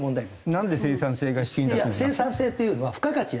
なんで生産性が低いんだと？